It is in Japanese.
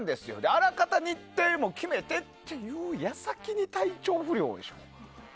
あらかた日程も決めてっていう矢先に体調不良でしょ。